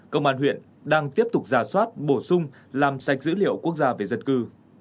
công an huyện đang tiếp tục giả soát bổ sung làm sạch dữ liệu quốc gia về dân cư